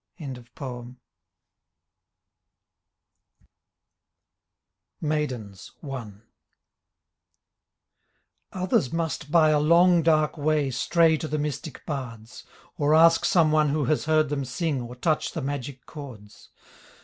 17 MAIDENS. I Others must by a long dark way Stray to the mystic bards. Or ask some one who has heard them sing Or touch the magic chords.